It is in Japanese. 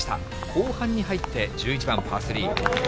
後半に入って、１１番パー３。